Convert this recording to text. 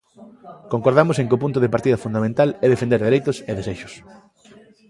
Concordamos en que o punto de partida fundamental é defender dereitos e desexos.